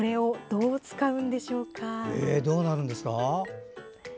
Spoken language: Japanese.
どうなんですか？